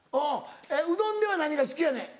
うどんでは何が好きやねん？